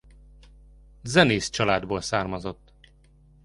Zenész családból származott.